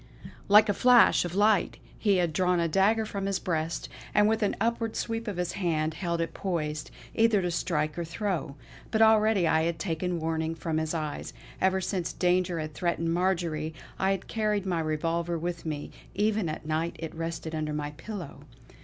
Like a flash of light he had drawn a dagger from his breast; and with an upward sweep of his hand held it poised, either to strike or throw. But already I had taken warning from his eyes. Ever since danger had threatened Marjory, I had carried my revolver with me; even at night it rested under my pillow.